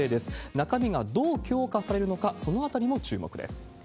中身がどう強化されるのか、そのあたりも注目です。